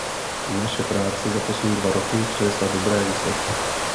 Naše práce za poslední dva roky přinesla dobré výsledky.